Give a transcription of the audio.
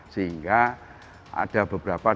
sehingga ada beberapa masyarakat yang mencari penyewa